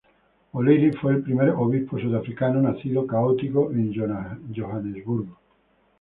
O'Leary fue el primer obispo sudafricano nacido católico en Johannesburgo.